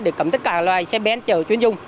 để cấm tất cả loài xe ben chở chuyến dung